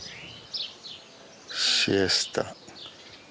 シエスタ。